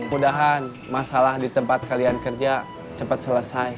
mudahan masalah di tempat kalian kerja cepat selesai